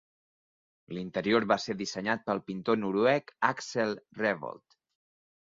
L'interior va ser dissenyat pel pintor noruec Axel Revold.